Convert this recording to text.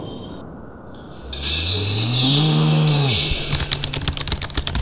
D netta i t-id-yessufɣen akka d acennaf.